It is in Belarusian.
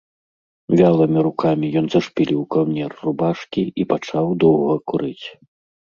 Вялымі рукамі ён зашпіліў каўнер рубашкі і пачаў доўга курыць.